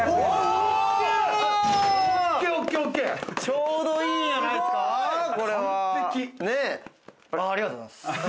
ちょうどいいじゃないですか。